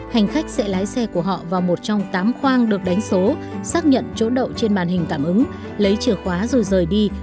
hành khách sẽ lái xe của họ vào một trong tám khoang được đánh số xác nhận chỗ đậu trên màn hình tạm ứng lấy chìa khóa rồi rời đi